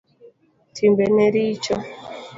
Timbeni richo